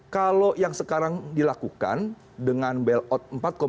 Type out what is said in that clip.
kalau yang sekarang dilakukan dengan bailout empat